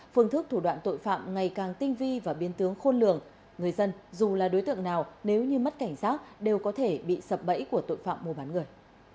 phương thức thủ đoạn tội phạm ngày càng tinh vi và biên tướng khôn lường người dân dù là đối tượng nào nếu như mất cảnh giác đều có thể bị sập bẫy của tội phạm mua bán người